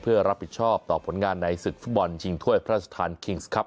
เพื่อรับผิดชอบต่อผลงานในศึกฟุตบอลชิงถ้วยพระราชทานคิงส์ครับ